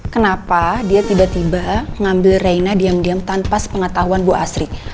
kenapa dia tiba tiba ngambil reina diam diam tanpa sepengetahuan bu asri